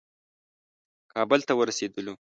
کابل ته ورسېدلو.